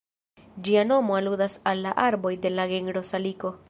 Ĝia nomo aludas al la arboj de la genro Saliko.